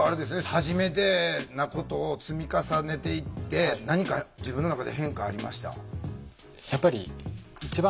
はじめてなことを積み重ねていって何か自分の中で変化ありました？